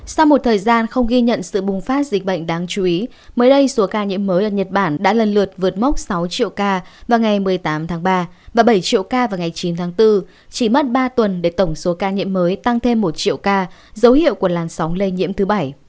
sau một thời gian không ghi nhận sự bùng phát dịch bệnh đáng chú ý mới đây số ca nhiễm mới ở nhật bản đã lần lượt vượt mốc sáu triệu ca vào ngày một mươi tám tháng ba và bảy triệu ca vào ngày chín tháng bốn chỉ mất ba tuần để tổng số ca nhiễm mới tăng thêm một triệu ca dấu hiệu của làn sóng lây nhiễm thứ bảy